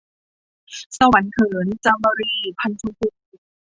สวรรค์เหิน - จามรี พรรณชมพู